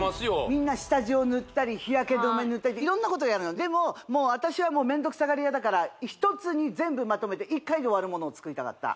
みんな下地を塗ったり日焼け止め塗ったり色んなことやるのでももう私はめんどくさがり屋だから１つに全部まとめて１回で終わるものを作りたかった